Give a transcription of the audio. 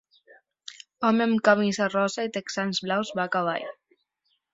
Home amb camisa rosa i texans blaus va a cavall.